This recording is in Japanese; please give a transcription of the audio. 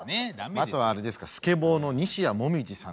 あとあれですかスケボーの西矢椛さんですか？